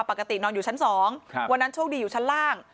ปกตินอนอยู่ชั้น๒วันนั้นโชคดีอยู่ชั้นล่าง